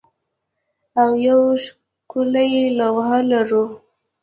او یوه ښکلې لوحه لرو